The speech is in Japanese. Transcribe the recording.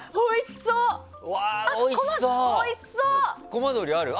うわ、おいしそう！